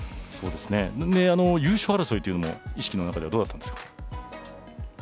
優勝争いというのも意識の中ではどうだったんですか？